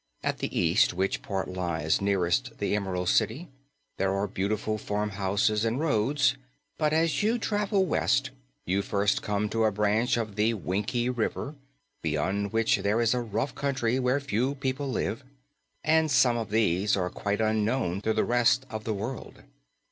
At the east, which part lies nearest the Emerald City, there are beautiful farmhouses and roads, but as you travel west, you first come to a branch of the Winkie River, beyond which there is a rough country where few people live, and some of these are quite unknown to the rest of the world.